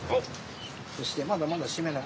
そしてまだまだ閉めない。